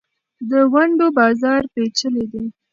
د ونډو بازار پېچلی دی.